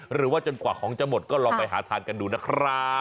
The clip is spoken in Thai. หรือว่าจนกว่าของจะหมดก็ลองไปหาทานกันดูนะครับ